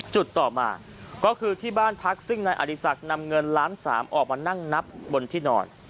จุดต่อมาก็คือที่บ้านพักซึ่งนายอดีศักดิ์นำเงินล้านสามออกมานั่งนับบนที่นอน